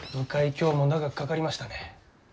今日も長くかかりましたね。